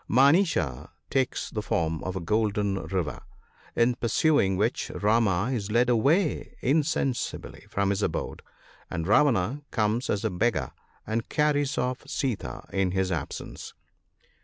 Manicha takes the form of a golden deer, in pursuing which Rama is led away insensibly from his abode, and Ravana comes as a beggar and carries off Sita in his absence.